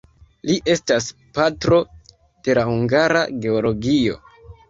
Li estas "patro" de la hungara geologio.